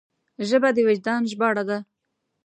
ژبه د وجدان ژباړه ده